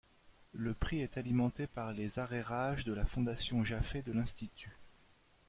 Le prix est alimenté par les arrérages de la fondation Jaffé de l'Institut.